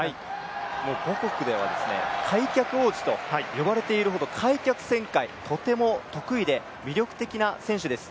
母国では開脚王子と呼ばれているほど開脚旋回、とても得意で魅力的な選手です。